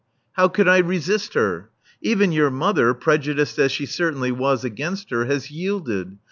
How could I resist her? Even your mother, preju diced as she certainly was against her, has yielded.